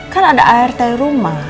kan ada art rumah